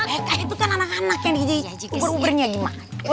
eh kak itu kan anak anak yang di uber ubernya gimana